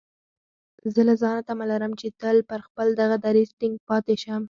زه له ځانه تمه لرم چې تل پر خپل دغه دريځ ټينګ پاتې شم.